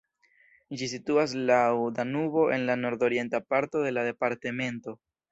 Ĝi situas laŭ Danubo en la nordorienta parto de la departemento.